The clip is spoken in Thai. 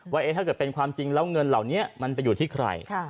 ว่าถ้าเกิดเป็นความจริงแล้วเงินเหล่านี้มันไปอยู่ที่ใคร